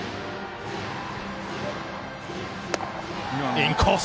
インコース！